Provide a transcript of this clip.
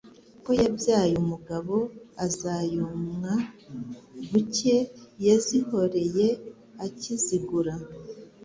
Ko yabyaye umugabo azavumwa buke yazihoreye akizigura